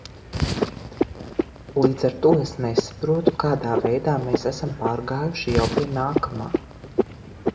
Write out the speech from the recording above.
Līdz ar to es nesaprotu, kādā veidā mēs esam pārgājuši jau pie nākamā.